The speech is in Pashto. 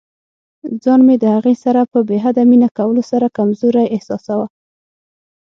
ځان مې د هغې سره په بې حده مینه کولو سره کمزوری احساساوه.